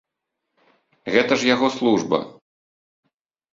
Гэта ж яго служба!